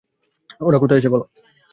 ওরা কোথায় আছে বল!